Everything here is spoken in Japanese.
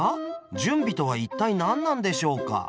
準備とは一体何なんでしょうか？